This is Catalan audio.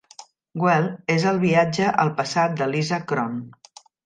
"Well" és el viatge al passat de Lisa Kron.